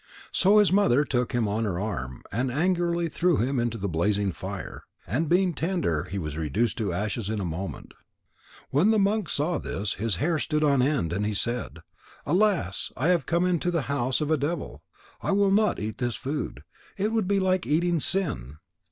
So his mother took him on her arm, and angrily threw him into the blazing fire. And being tender, he was reduced to ashes in a moment. When the monk saw this, his hair stood on end, and he said: "Alas! I have come into the house of a devil. I will not eat this food. It would be like eating sin."